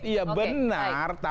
tapi dia berbicara